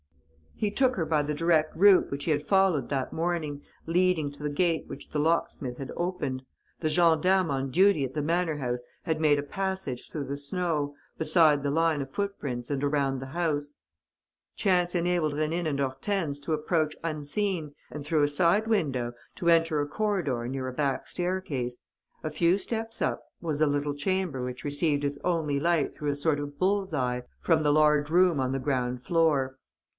He took her by the direct route which he had followed that morning, leading to the gate which the locksmith had opened. The gendarmes on duty at the manor house had made a passage through the snow, beside the line of footprints and around the house. Chance enabled Rénine and Hortense to approach unseen and through a side window to enter a corridor near a back staircase. A few steps up was a little chamber which received its only light through a sort of bull's eye, from the large room on the ground floor.